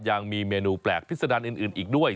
ยังมีเมนูแปลกพิษดารอื่นอีกด้วย